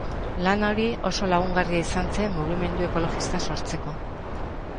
Lan hori oso lagungarria izan zen mugimendu ekologista sortzeko.